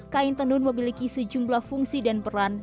kain tenun memiliki sejumlah fungsi dan peran